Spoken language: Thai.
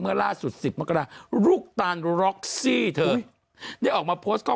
เมื่อล่าสุด๑๐มากระดาษ